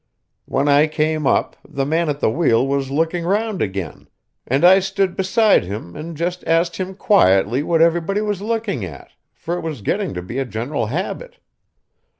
When I came up, the man at the wheel was looking round again, and I stood beside him and just asked him quietly what everybody was looking at, for it was getting to be a general habit.